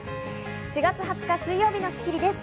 ４月２０日、水曜日の『スッキリ』です。